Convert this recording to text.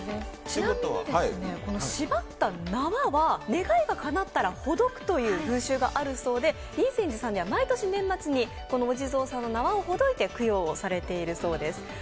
ちなみに縛った縄は願いがかなったらほどくという風習があるそうで林泉寺さんには毎年、年末にお地蔵さんの縄をほどいいて供養をされているそうです。